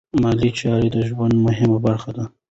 مالي چارې د ژوند مهمه برخه ده.